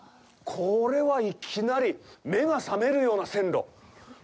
これはいきなり目が覚めるような線路！